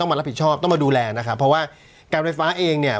มารับผิดชอบต้องมาดูแลนะครับเพราะว่าการไฟฟ้าเองเนี่ย